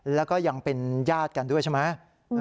แล้วก็ยังเป็นญาติกันด้วยใช่ไหม